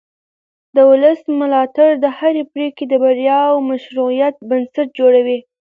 د ولس ملاتړ د هرې پرېکړې د بریا او مشروعیت بنسټ جوړوي